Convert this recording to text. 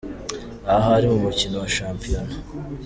Aha hari mu mukino wa shampiyona.